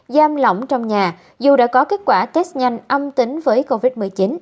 giam lỏng trong nhà dù đã có kết quả test nhanh âm tính với covid một mươi chín